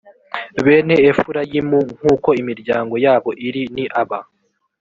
bene efurayimu nk’uko imiryango yabo iri ni aba: